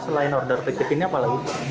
selain order pecip ini apa lagi